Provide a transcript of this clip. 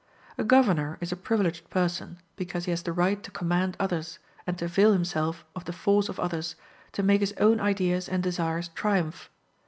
A governor is a privileged person, because he has the right to command others, and to avail himself of the force of others, to make his own ideas and desires triumph.